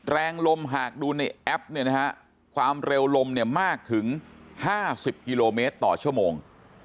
แรงลมหากดูในแอปเนี่ยนะฮะความเร็วลมเนี่ยมากถึง๕๐กิโลเมตรต่อชั่วโมง